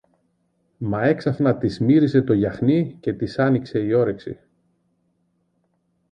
Μα έξαφνα της μύρισε το γιαχνί και της άνοιξε η όρεξη.